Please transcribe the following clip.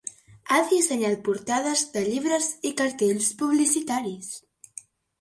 Ha dissenyat portades de llibres i cartells publicitaris.